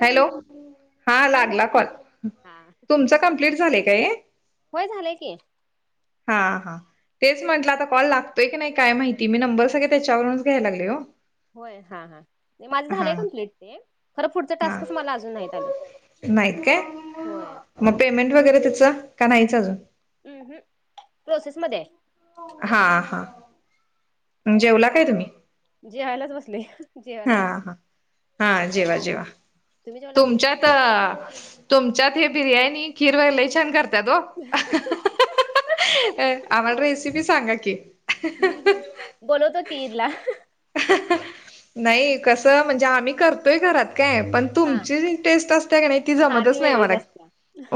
Hello हा बोला लागला की कॉल हा तुमचं कम्प्लीट झालंय काय ये होय झालंय की हा हा. तेच म्हटलं आता कॉल लागतोय की नाय काय माहिती मी नंबर सगळे त्याच्यावरूनच घ्यायला लागले ओ. होय हा हा ते माझं झालंय कम्प्लीट ते खरं पुढचं हा टास्कच मला अजून नाहीत आलं होय. म पेमेंट वगैरे त्याचं का नाहीच अजून अहं प्रोसेस मधे आहे. हा हा. मंग जेवला काय तुम्ही? जेवायलाच बसले. जेवायला हा या हा हा जेवा जेवा तुम्ही जेवला तुमच्यात तुमच्यात हे बिर्याणी खीर बघा लय छान कर त्यात ओ आम्हाला हम्म रेसिपी सांगा की हम्म बोलवतो की ईद ला. नाही कस म्हणजे आम्ही करतोय घरात काय पण- हा तुमची जी टेस्ट असते का नाही, ती हा जमतच वेगळीच नाहीआम्हाला असत्या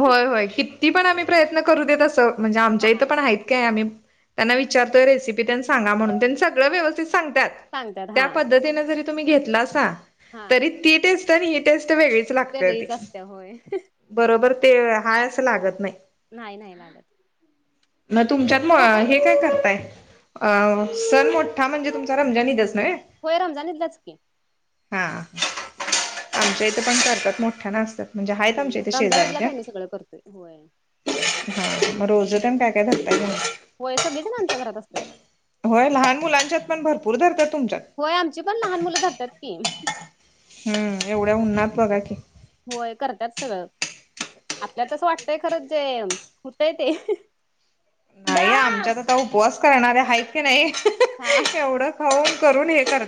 होय होय क- किती पण आम्ही प्रयत्न करू देत असं, म्हणजे आमच्या इथं हा पण आहेत काय आम्ही. त्यांना विचारतोय रेसिपी तेन, सांगा म्हणून त्यांनी सगळं व्यवस्थित सांगतात. सांगतात त्या हा पद्धतीने जरी तुम्ही घेतला सा, हा तरी ती टेस्ट आणि ही टेस्ट वेगळीच. लागत्या, ती वेगळीच असत्या होय बरोबर ते हाय अस लागत नाही. नाही नाही लागत म तुम्ही तुमच्यात, कुठे राहताय हे काय करताय. अ सण मोठा म्हणजे, तुमचा रमजान ईदच नव्हे, होय, रमजान ईदच की. हा आमच्या इथं पण करतात मोठ्या असतात. म्हणजे हाईत हम्म आमच्या इथे रमजान ईदलाच शेजारीपण आम्ही सगळं करतोय होय हा म रोजा त्यानं काय काय धरतात होय. होय सगळे जण आमच्या घरात असत्यात. होय लहान मुलांच्यात पण भरपूर धरतात तुमच्यात. होय आमची पण लहान मुलं धरतात की हम्म एवढ्या उन्हात बघा की होय करत्यात सगळं आपल्या तसं वाटतंय खरंच जे होतंय ते. त उपवास करणारे आहेत की नाही, हा [unintelligible] एवढं खाऊन करून हे कर.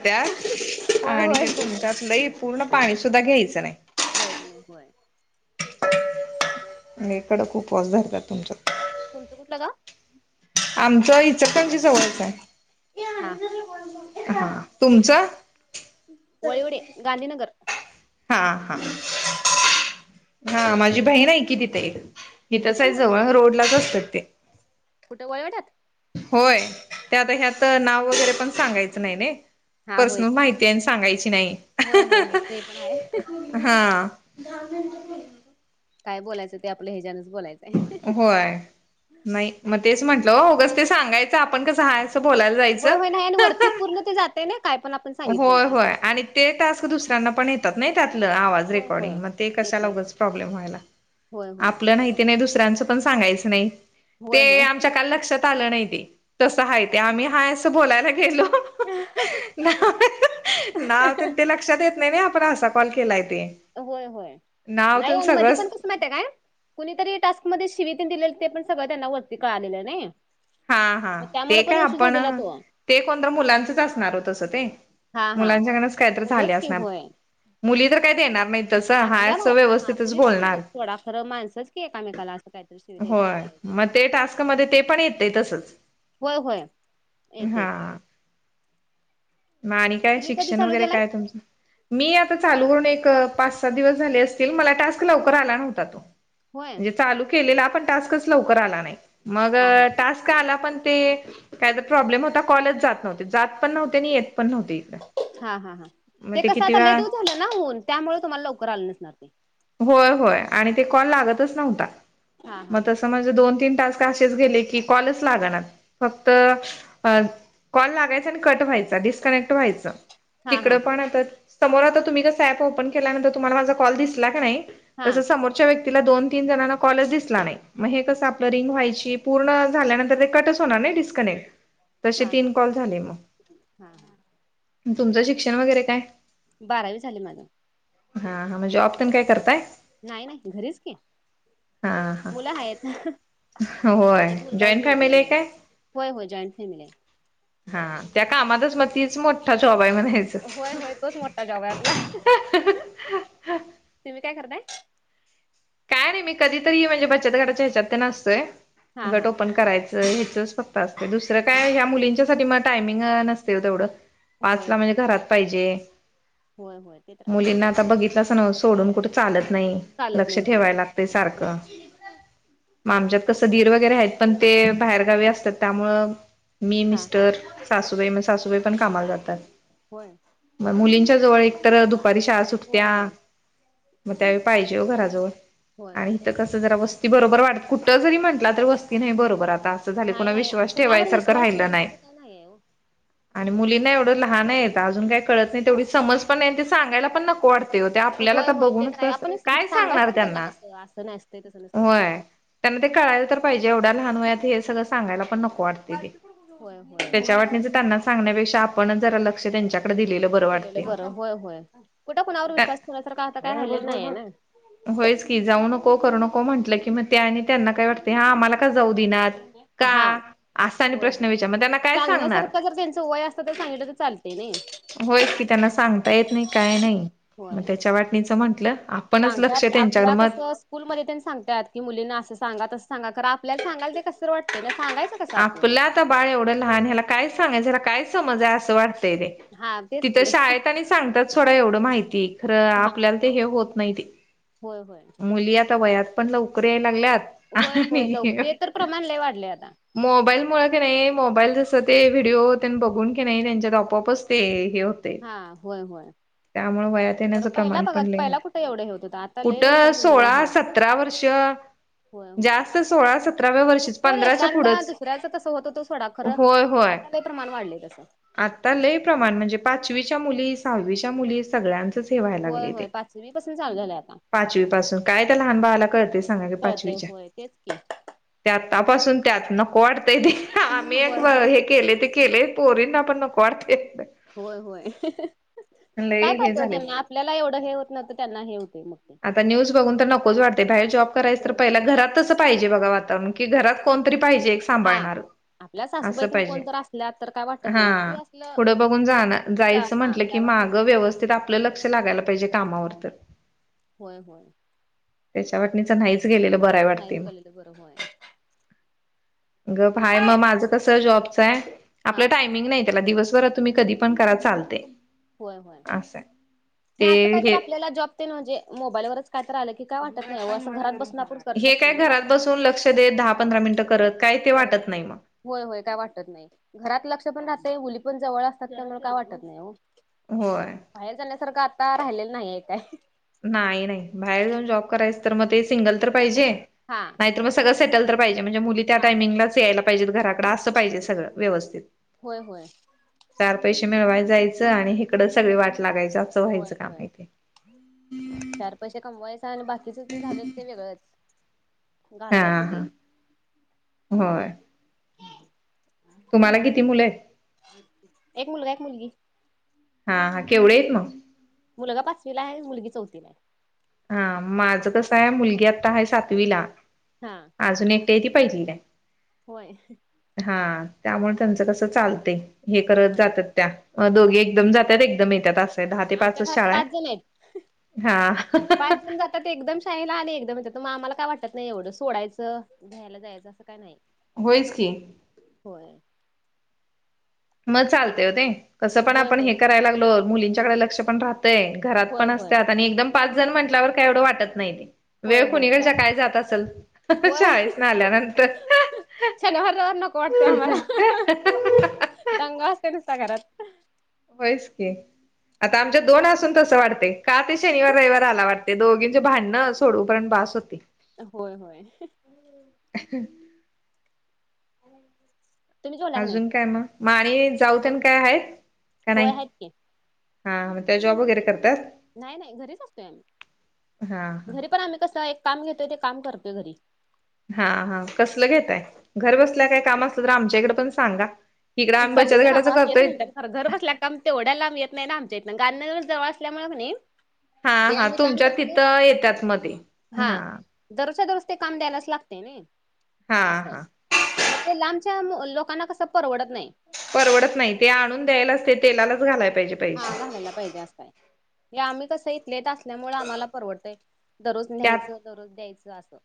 होय आणि होय हे तुमच्यातलही, पूर्ण पाणी सुद्धा घ्यायचं नाही. घायच नाही होय, लई कडक, उपवास धरतात तुमच, तुमचं कुठ गाव? आमचं इचलकरजी, जवळयच आहे. हा, हा तुमचं? वळीवडे, गांधीनगर. हा, हा, हा माझी बहीन आहे की तीथे एक, हिथच कुठं आहे, व जवळ रोड लाच असतात ते, कुठे वळवडयात, होय त्या आता ह्यात, नाव वगैरे पण सांगायचं नाही नी, हा होय. पर्सनल माहिती आहे सांगायची नाही, होय होय होय ते पण आहे [unintelligible] हा दहा मिनटं [unintelligible] काय बोलच ते, आपला हेचान च बलायचं. होय नाही, मग तेच म्हंटलं उगाच ते सांगायचं आपण कसं आहे असं, बोलायला जायचं. [unintelligible] जाते ना काय पण आपन, होय, होय आणि ते टास्क दुसऱ्यांना पण येतात ना, त्यातलं आवाज, होय रेकॉर्डिंग होय म ते कशाला येतंय उगाच प्रॉब्लेम व्हायला, होय होय आपलं नाही तर ते नाही दुसर्याला पण सांगायच नाही, होय ते होय. आमच्या काल लक्षात आलं नाही तस आहे ते, आम्ही आहे असं बोलायला गेलो, [unintelligible] नाव त्यां ते लक्षात येत नाही ना, आपण असा कॉल केलाय ते. होय, होय नाव नाही, तेन आणि मधी पण सगळंच कसं, कसं माहिय काय कुणीतरी टास्कमध्येध्ये, [unintelligible] दिलेलं ते पण सगळं त्यांना, वरती कळ आलेलं नाही. हा, हा मग त्यामुळे ते पण काय इश्यू आपण, झालेला तो ते कोणत मुलांचच असणार हो तसं ते, हा हा मुलांच्याकच काहीत झाली मुलंच असणार, मुली तर काय देणार नाहीत तसं हाय आपल्याला असं हा [inaudible] व्यवस्थितच ना बोलणार. थोडाफार माणसंच की आहे कामेकाला असं काहीतरी [unintelligible] द्यायच होय मग ते टास्क मध्ये, ते पण येतय तसच. होय, होय येत येत, म आणि काय तुम्ही कधी शिक्षण, चालू वगैरे केलाय काय तुमचं, मी आता चालू करून, एक पाच सात दिवस झाले असतील, मला टास्क लवकर आला नव्हता, होय म्हणजे चालू केलेला पण टास्कच लवकर आला नाही, मग हा हा टास्क आला पण ते काय ज प्रॉब्लेम होता कॉल जात नव्हते जात पण नव्हते आणि येत पण नव्हते इथं हा हा हा ते कसं आता लेटऊ झालं ना होऊन त्यामुळे तुम्हाला लवकर आलं नसणार ते होय होय आणि ते कॉल लागतच नव्हता हा हा मग हा. तस म दोन तीन असेच गेले की कॉल लागणार फक्त कॉल लागायचा आणि क व्हायचा डिस्कनेक्ट व्हायचं. हा हा तिकडं हा पण आता समोर आता तुम्ही कस ऍप ओपन केल्यानंतर तुम्हाला माझा कॉल दिसला का नाही हा तसं समोरच्या व्यक्तीला दोन तीन जणांना कॉलेज दिसला नाही मग हे कसं आपलं रिंग व्हायची, पूर्ण झाल्यानंतर ते कटच होणार नाही डिस्कनेक्ट, तसे हा तीन कॉल झाले मग, हा हा तुमचं शिक्षण वगैरे काय? बारावी झाले माझी, हा, हा ममग जॉब, तेन काय करताय? नाही, नाही घरीच कि, हा हा मुलं आहेत आहेत, होय एक मुलगा आहे जॉईंट मुलगी फॅमिली आहे मला, काय होय, होय, जॉईट फॅमिली आहे. हा त्या कामातच मग तीच मोठा जॉब आहे म्हणायच, होय होय तोच मोठा जॉब आहे आपला तुम्ही काय करताय? काय मी कधीतरी म्हणजे बचत गटाच्याच्यात असतोय हा गट हा ओप करायचं हचच फक्त असते दुसरं काय ह्या मुलींच्यासाठी मग टायमिंग नसते तेवढं पाच होय ला म्हणजे होय घरात पाहिजे, होय होय ते तर आहे मुलींना आता बघितलास ना सोडून कुठे चालत नाही. चालत नाही. ठेवाय होय. लागते हा सारखं मग आमच्यात कसं ीर वगैरे आहेत पण ते बाहेरगावी असतात त्यामुळ मी हा मिस्टर हा सासूबाई म सासूबाई पण कामाला जातात. होय. मग मुलींच्या जवळ एक तर दुपारी शाळा होय सुटत्या होय मग त्यावेळी पाहिजे हो घराजवळ होय हो ते आणिथं तर आहे. कसं जरा वस्ती बरोबर वाटत कुठं जरी म्हटला तरी वस्ती नाही बरोबर आता झाले नाही कि नाही विश्वास कुणावर ठेवायसारखं विश्वास राहिलं नाही. ठेवण्यासारखं काय नाहीये ओ. आणि मुलींना एवढं लहान आहेत अजून काही कळत नाही तेवढी समज पण ते सांगायला पण नको वाटते होते आपल्याला होय तर होय ते बघूनच आहे कस आपण काय सांगायच सांगणार. तर त्यांना कसं असं नाही असत तस नसतते त्यामुळे होय. त्यांना ते कळायला तर पाहिजे एवढं लहान वयात हे सगं सांगाला पण नक होय त्याच्या वाटणीचा होय. त्यांना सांण्यापेक्षा आपण जर लक्ष दिलेलं बरं केलेलं वाटते. बरं होय होय कुठे कुणावर त्या विश्वास ठेवण्यासारखा आता काय झाले नाहीये ना, ती जाऊ नको करू नको म्हटलं की मग ते आणि त्यांना काय वाटते हा आम्हाला का जाऊ देना, हा होय होय मग त्यांना काय सांगणार सांगण्यासारखं जर त्यांच वय असत तर सांगितलं तर चालत नाही. होयच की त्यांना सांगता येत नाही काय नाही मग त्याच्या वाटणीचं म्हंटलं आपणच लक्ष आप त्यांच्याकडे मग कस स्कूलमध्ये त्यां सांगत्यात की मुलींना असं सांगा असं सांगा करा आपल्याला सांगाय ते कसं वाटतं सांगायच आपलं आता बाळ एवढं लहान ह्याला काय सांगाय ह्याला काय समज आहे असं वाटतय रे हा ते तिथ शाळेत आणि सांगतात थोडं एवढं माहिती खरं हा आपल्याला ते हे होत नाही ते होय होय मुली आता वयात पण लवकर याय लागल्यात होय होय ल ते तर प्रमाण ल वाढले आता मोबाईल मुळ की नाही मोबाईल जसं ते व्हिडिओ त्यां बघून की नाही त्यांच्यात आपआपचते हे हा होय होय त्यामुळे व तर ण्याच पहिला प्रमाण बघा पण पहिला कुठे एवढं हे होत होतं आता लय कुठ लवकर मुलींना सोळा हे सतरा वर्ष होय होय जास्त सोळा सतराव्या वर्षी पंधराच्या पुढंच खुऱ्याचं तसं होतं तो सोडा खरं आत्ता काही प्रमाण वाढलं तसं आत्ता ल प्रमाण म्हणजे पाचवीच्या मुली सहावीच्या मुली सगळ्यां होय होय पाचवीपासून चालू झालंय आता पाचवी पासून काय त्या लहान बाळा ला कळतंय सांगा क पा ते होय तेच की, त्या आतापासून त्यात नको वाटतंय ते आम्ही एक होय होय हे केले ते केले पोरी ना आपण नको वाटतंय होय होय काय लय हे करते हो झालय त्यांनी आपल्याला एवढं हे होत ना तर त्यांना हे होते मग ते आता न्यूज बघून तर नकोच वाटते बाहेर जॉब करायचं तर होय होय पहिला घरात तस पाहिजे बघा वातावरण की घरात कोणतरी पाहिजे एक हा सांभाळणार आपल्या अस सासूबाई तेन पाहिजे कोण तर असल्या तर काय वाटत हा नाही घरी असलं पुढं बघून जानार जा जायचं हा म्हटलं की काय वाटत माग व्यवस्थित आपलं लक्ष लागायला पाहिजे कामावर तर होय होय त्याच्या वाटणीच नाहीच गेलेलं बरय वाटते नाहीच मग घालेलं बरं होय गप हाय मग माझं कस जॉबचं आहे हा आपलं टायमिंग नाही त्याला दिवसभरात तुम्ही कधी पण करा चालते होय होय अस आहे असं ते काय तर हे आपल्याला जॉब ते म्हणजे मोबाईलवरच काय तर रा आलं की काय वाटत नाही असं घरात बसून आपन हे काय घरात बसून लक्ष देत दहा पंधरा मिनिटं करत काय ते करत वाटत नाही मग होय होय काय वाटत नाही घरात लक्ष पण राहतय मुली पण जवळ असतात त्यामुळे काय वाटत नाही हो होय बाहेर जाण्यासारखं आता राहिलेलं नाही आहे काय नाही नाही बाहेर जाऊन जॉब करायच तर मग ते सिंगल तर पाहिजे हा नाहीतर मग सगळं होय सेटल तर पाहिजे म्हणजे मुली त्या हा टायमिंगलाच यायला पाहिजे घराडं असं पाहिजे सगळं व्यवस्थित होय होय चार पैसे मिळवाय जायचं आणि हिकडं सगळी वाट लागायच असं होय व्हायचं काम होय हे चार पैसे कमवायचे आणि बाकीच ते झालेल ते वेगळंच हां घालवायचं ते हा होय तुम्हाला किती मुलं आहेत एक मुलगा एक मुलगी हा हा केवढे आहेत मग मुलगा पाचवीला आहे मुलगी चौथीला आहे हा माझं कसं आहे मुलगी आता आहे सातवीला हां अजून एकटी आहे ती पाहिली ला आहे होय हा त्यामुळे हा त्यांचं कसं चालते हे करत होय जातात त्या दोघी एकदम जातात एकदम येतात असं आहे दहा ते आमच्या पाचच घरात शाळा आहे पाच जण आहेत हा पाच जण जातात एक एकदम शाळेला आली एकदम आमला काय वाटत नाही एवढं सोडयचं घ्यायला जायचं असं का नाही होईच की होय मग चालते हो ते कसं पण होय आपण होय हे करायला लागलो मुलींच्याकडे लक्ष पण राहत घरात होय पण होय असत्यात,, आणि एकदम पाच जण म्हटल्यावर काय एवढं वाटत नाही ते होय वेळ होय खुणीकडच्या काय जात असल,, होय शाळेस न आल्यानंतरऽ शनिवार रविवार नको वाटतय आम्हालाऽ हह दंगा असतोय नुसता घरात. होयच की, आता आमच्या दोन असून तसं वाटतय, का ते शनिवार रविवार आला वाटतऽ ते दोघींचे भांडणं सोडवूपर्यंत बस होतयऽ होय, होय, ह, तुम्ही जेवला का नाही? अजून काय मग? म आणि जाऊ तेन काय हायत काय होय नाही? आहेत की हा मग त्या जॉब वगैरे करतात नाही नाही घरीच असतोय हा हा आम्ही घरी पण आम्ही कसं हाय एक काम घेतोय ते काम करतोय घरी हा हा कसलं घेताय घर बसल्या काय काम असलं तर आमच्याकडे पण सांगा इकडं आम्ही बचत गटाच करतोयचं अर घर बसल्या काम तेवढ्या लांब येत नाही ना आमच्या हितन गांधीनगर जवळ असल्यामुळे कणी हा जे हा आम्ही काम तुमच्या करतोय तिथं येतात मध्ये हा दरच्या दररोज ते काम द्यायलाच लागते नाई,, हा असं आहे. हा मग ते लांबच्या लोकांना कसं परवडत नाही. परवडत नाही ते आणून द्यायलाच ते तेलालाच घालायला पाहिजेऽ हा, घालायला पाहिजे अस हाय, या आम्ही कसंऽ लेट असल्यामुळे आम्हाला परवडतंय,, दररोज त्यात न्यायचं दररोज द्यायचं असं.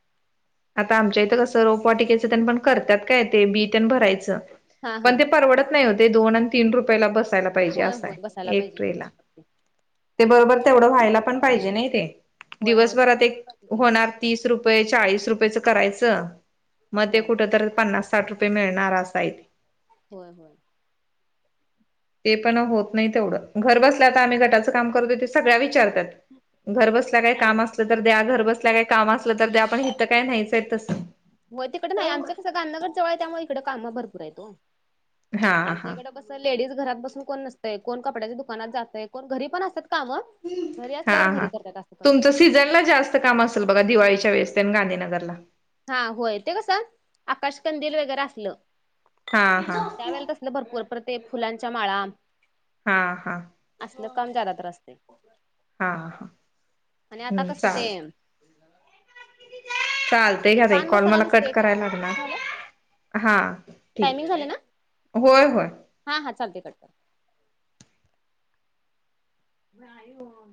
आता आमच्या इथं कसं, रोपवाटीकेच तेन पण करत्यात काय ते बी तेन भरायचं हा हा पण ते परवडतऽ नाही हो ते दोन आणि तीन रुपयाला बसायला पाहिजे होय होय असाय बसायला एक पाहिजे ट्रेलाऽ दिवसभर. ते बरोबर तेवढं व्हायला पण पाहिजे नाही ते, होय होय तेवढं दिवसभरात एक व्हायला पाहिजे की होणारऽ तीस रुपये, चाळीस रुपयेच करायच, मग ते होय कुठ तर पन्नास.. साठ रुपये मिळणार असायऽते होय, होय, ते पण होत नाही तेवढं,, घर बसलं आम्ही गटाचं काम करतोय त्या सगळ्या विचारत्यात,, घर बसल्या काय काम असल तर तरर द्या, घर बसल्या काय काम असलं तर त्या, पण हीथं काय नाहीचऽ होय, तिकड नाही आमचं कसं गांधीनगर जवळ आहे त्यामुळे इकड काम भरपूर आहेत ओऽ हा आमच्या हा इकडें पण लेडीज घरात बसून कोण नसतंय, कोण कपड्याच्या दुकानात जातय, कोण घरी पण असतात कामंऽ हा, हा, तुमचचं.. सीझन ला जास्त काम असेल बघा,, दिवाळीच्या वेळेस तेन गांधीनगरलाऽ हा,, होय ते कस, आकाशकंदील वगैरे असलंऽ हा, हा, त्यावेळला तसलं भरपूर, परत ते फुलांच्या माळाऽ हा हा असलं काम जादा तर असतय, हा हा आणि आता कसं चालत तेऽऽ चालतय ते घ्या ताई, पान कॉल मसाला मला कट नसतोय काय करायला लागणार.. झालं हां, ठीक टायमिंग झालं ना? आहे,, होय, होय. हा, हा, चालतय कट कराऽ नाही ओ